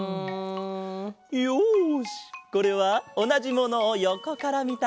よしこれはおなじものをよこからみたかげだ。